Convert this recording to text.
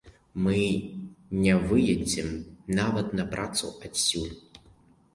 Мы не выедзем нават на працу адсюль.